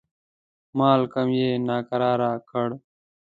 مالکم یې ناکراره کړ.